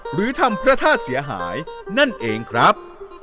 หรือทำพระธาตุเสียหายนั่นเองครับ